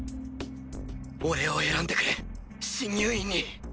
俺を選んでくれ進入員に！